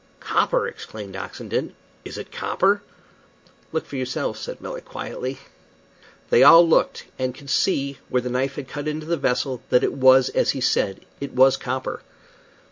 "Copper!" exclaimed Oxenden. "Is it copper?" "Look for yourselves," said Melick, quietly. They all looked, and could see, where the knife had cut into the vessel, that it was as he said. It was copper.